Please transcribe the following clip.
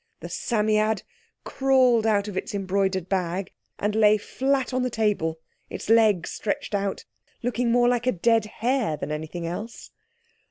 The Psammead crawled out of the embroidered bag, and lay flat on the table, its leg stretched out, looking more like a dead hare than anything else.